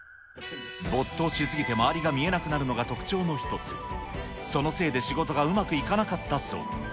没頭し過ぎて周りが見えなくなるのが特徴の一つ、そのせいで仕事がうまくいかなかったそう。